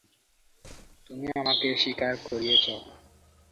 তুমি আমাকে স্বীকার করিয়েছ।